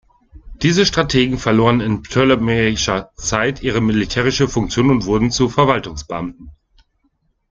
Diese Strategen verloren in ptolemäischer Zeit ihre militärische Funktion und wurden zu Verwaltungsbeamten.